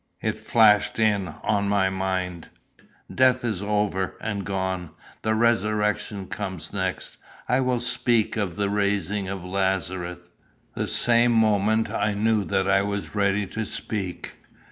It flashed in on my mind: "Death is over and gone. The resurrection comes next. I will speak of the raising of Lazarus." The same moment I knew that I was ready to speak.